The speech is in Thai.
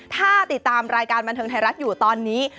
ถ้าติดตามรายการบันเทิงไทยรัฐอยู่ตอนนี้